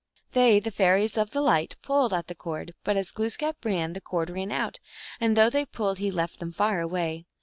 They, the fairies of Light, pulled at the cord, but as Glooskap ran, the cord ran out, and though they pulled he left them far away.